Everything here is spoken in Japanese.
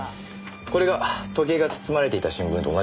これが時計が包まれていた新聞と同じものです。